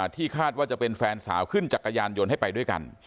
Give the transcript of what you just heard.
ที่คาดว่าจะเป็นแฟนสาวขึ้นจักรยานยนต์ให้ไปด้วยกัน